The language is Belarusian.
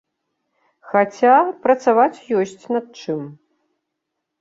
Хаця, працаваць ёсць над чым.